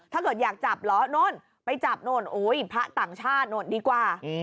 ถ้าเกิดอยากจับเหรอโน่นไปจับโน่นอุ๊ยพระต่างชาติโน่นดีกว่า